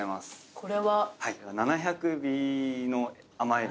これは。